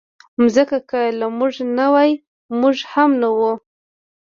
مځکه که له موږ نه وای، موږ هم نه وو.